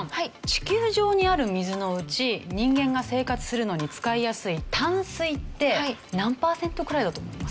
地球上にある水のうち人間が生活するのに使いやすい淡水って何パーセントくらいだと思いますか？